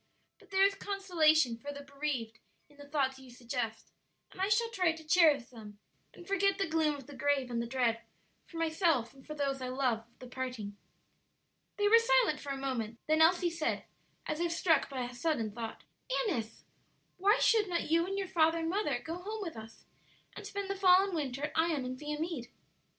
But there is consolation for the bereaved in the thoughts you suggest; and I shall try to cherish them and forget the gloom of the grave and the dread, for myself and for those I love, of the parting." They were silent for a moment; then Elsie said, as if struck by a sudden thought, "Annis, why should not you and your father and mother go home with us and spend the fall and winter at Ion and Viamede?"